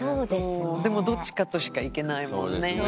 でもどっちかとしか行けないもんね。